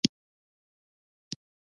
جُوجُو غلی شو، تواب ته يې وکتل، ورو يې وويل: